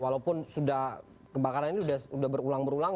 walaupun sudah kebakaran ini sudah berulang ulang